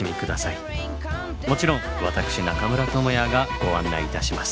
もちろん私中村倫也がご案内いたします。